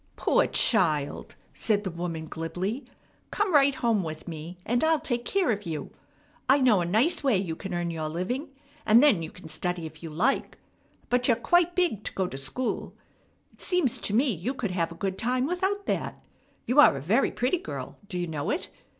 "Poor child!" said the woman glibly. "Come right home with me, and I'll take care of you. I know a nice way you can earn your living, and then you can study if you like. But you're quite big to go to school. It seems to me you could have a good time without that. You are a very pretty girl; do you know it?